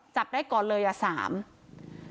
จับได้ก่อนเลยอย่าง๓